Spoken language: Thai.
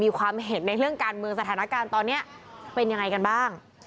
ความเห็นในเรื่องการเมืองสถานการณ์ตอนนี้เป็นยังไงกันบ้าง